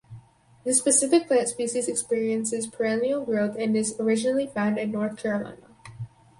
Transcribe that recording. This specific plant species experiences perennial growth and is originally found in North Carolina.